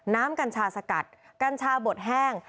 กัญชาสกัดกัญชาบดแห้ง